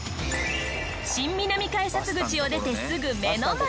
新南改札口を出てすぐ目の前。